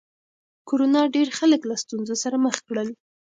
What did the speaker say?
کرونا ډېر خلک له ستونزو سره مخ کړل.